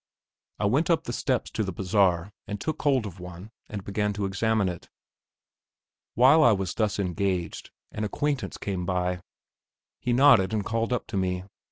I went up the steps to the bazaar and took hold of one and began to examine it. While I was thus engaged an acquaintance came by; he nodded and called up to me.